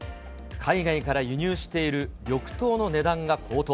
海外から輸入している緑豆の値段が高騰。